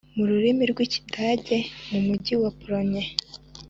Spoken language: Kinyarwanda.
mu rurimi rw'ikidage, mu mujyi wa polonye